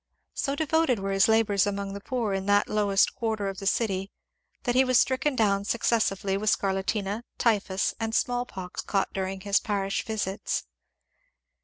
So devoted were his labours among the poor in that lowest quarter of the city that he was stricken down successively with scarlatina, typhus, and small pox caught during his par ish visits.